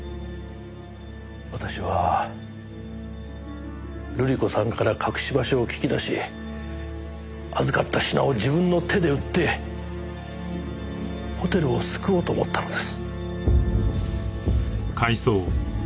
私は瑠璃子さんから隠し場所を聞き出し預かった品を自分の手で売ってホテルを救おうと思ったのです。